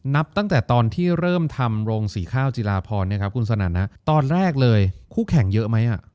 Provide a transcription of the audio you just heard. นับตั้งแต่ตอนที่เริ่มทำโรงสีข้าวจีลาพรคุณสนั่นนะตอนแรกเลยคู่แข่งเยอะไหม